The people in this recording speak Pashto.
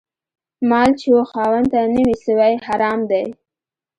مال چي و خاوند ته نه وي سوی، حرام دی